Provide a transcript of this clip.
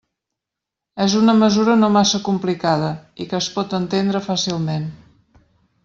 És una mesura no massa complicada i que es pot entendre fàcilment.